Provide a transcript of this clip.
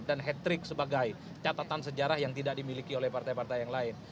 dan hat trick sebagai catatan sejarah yang tidak dimiliki oleh partai partai yang lain